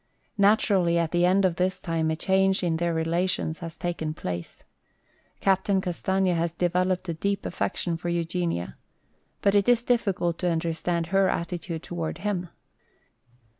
Naturally at the end of this time a change in their relations has taken place. Captain Castaigne has developed a deep affection for Eugenia. But it is difficult to understand her attitude toward him.